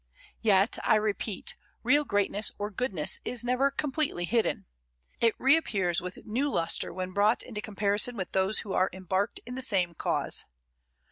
Yet, I repeat, real greatness or goodness is never completely hidden. It reappears with new lustre when brought into comparison with those who are embarked in the same cause.